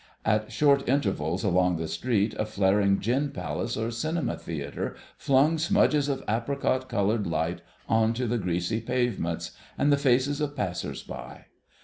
At short intervals along the street a flaring gin palace or cinema theatre flung smudges of apricot coloured light on to the greasy pavements and the faces of passers by.